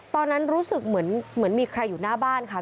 ตอนนั้นรู้สึกเหมือนมีใครอยู่หน้าบ้านค่ะ